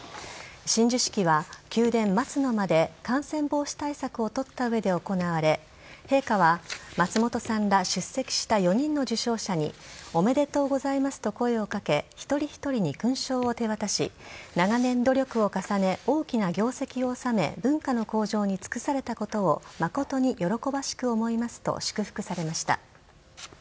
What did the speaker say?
親授式は宮殿・松の間で感染防止対策を取った上で行われ陛下は、松本さんら出席した４人の受章者におめでとうございますと声をかけ一人一人に勲章を手渡し長年努力を重ね大きな業績を収め文化の向上に尽くされたことを誠に喜ばしく思いますと祝福されました。